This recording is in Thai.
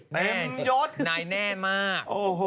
เต็มยดนายแน่มาก